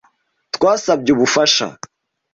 Twasabye ubufasha.